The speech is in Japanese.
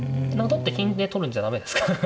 取って金で取るんじゃ駄目ですか。